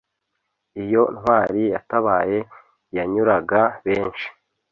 iyo ntwali yatabaye yanyuraga benshi